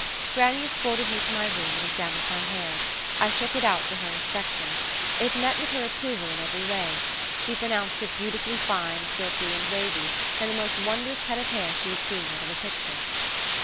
Grannie escorted me to my room, and examined my hair. I shook it out for her inspection. It met with her approval in every way. She pronounced it beautifully fine, silky, and wavy, and the most wonderful head of hair she had seen out of a picture.